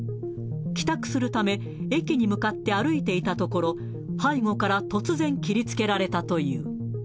帰宅するため、駅に向かって歩いていたところ、背後から突然、切りつけられたという。